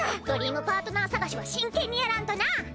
ドリームパートナー探しは真剣にやらんとなぁ。